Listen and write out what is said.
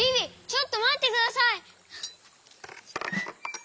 ちょっとまってください！